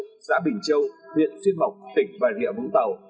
công an xã bình châu huyện xuân mộc tỉnh bà rê vũng tàu